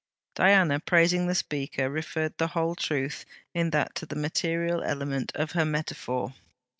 Diana, praising the speaker, referred the whole truth in that to the material element of her metaphor.